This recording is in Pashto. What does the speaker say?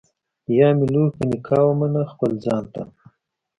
یا مي لور په نکاح ومنه خپل ځان ته